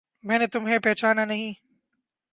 میں نے تمہیں پہچانا نہیں